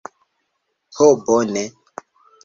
Ho bone